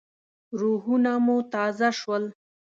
روحونه مو تازه شول.